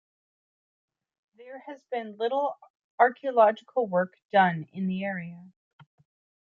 There has been little archaeological work done in the area.